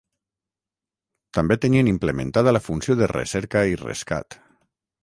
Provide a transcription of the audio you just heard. També tenien implementada la funció de Recerca i Rescat.